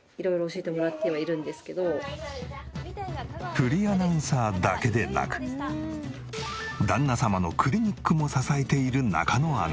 フリーアナウンサーだけでなく旦那様のクリニックも支えている中野アナ。